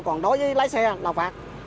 còn đối với lái xe là phạt